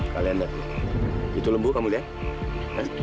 kalian itu lembu kamu lihat